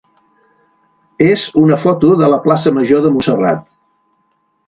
és una foto de la plaça major de Montserrat.